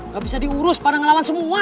gak bisa diurus pada ngelawan semua